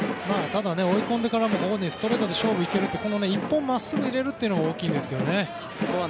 ただ、追い込んでからも本人ストレートで勝負行けるって１本真っすぐにいけるのが大きいんですよね。